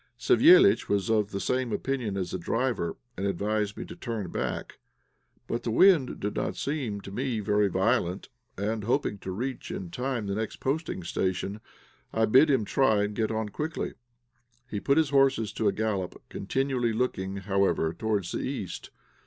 Savéliitch was of the same opinion as the driver, and advised me to turn back, but the wind did not seem to me very violent, and hoping to reach in time the next posting station, I bid him try and get on quickly. He put his horses to a gallop, continually looking, however, towards the east.